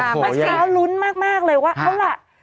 พเฮียรัวรุ้นมากเลยว่า